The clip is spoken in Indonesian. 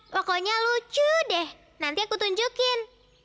pokoknya lucu deh nanti aku tunjukin